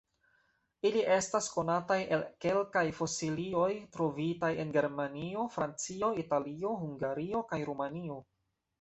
Ili estas konataj el kelkaj fosilioj trovitaj en Germanio, Francio, Italio, Hungario kaj Rumanio.